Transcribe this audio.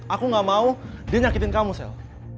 aku gak mau dia nyakitin kamu sel